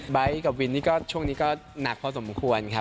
กับวินนี่ก็ช่วงนี้ก็หนักพอสมควรครับ